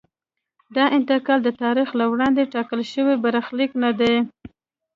دا انتقال د تاریخ له وړاندې ټاکل شوی برخلیک نه دی.